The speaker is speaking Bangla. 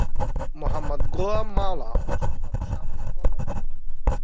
মোহাম্মদ গোলাম মাওলা অবসরপ্রাপ্ত সামরিক কর্মকর্তা।